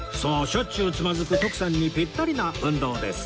しょっちゅうつまずく徳さんにピッタリな運動です